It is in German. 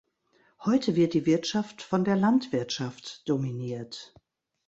Heute wird die Wirtschaft von der Landwirtschaft dominiert.